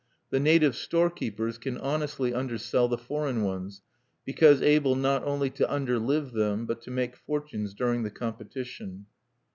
The native storekeepers can honestly undersell the foreign ones, because able not only to underlive them, but to make fortunes during the competition.